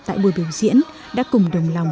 tại buổi biểu diễn đã cùng đồng lòng